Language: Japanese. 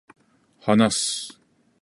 話す